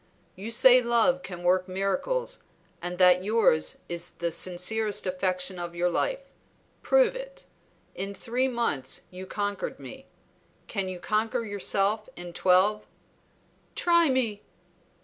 You say love can work miracles, and that yours is the sincerest affection of your life; prove it. In three months you conquered me; can you conquer yourself in twelve?" "Try me!"